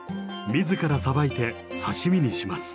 自らさばいて刺身にします。